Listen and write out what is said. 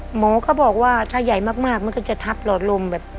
หมอก็บอกว่าถ้าใหญ่มากมันก็จะทับหลอดลมแบบ